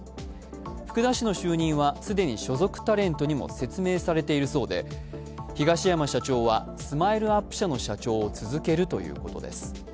福田氏の就任は既に所属タレントにも説明されているそうで、東山社長はＳＭＩＬＥ−ＵＰ．社の社長を続けるということです。